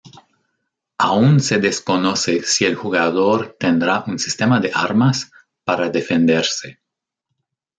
Aún se desconoce si el jugador tendrá un sistema de armas para defenderse.